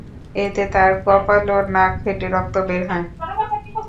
এতে তাঁর কপাল ও নাক ফেটে রক্ত বের হয়।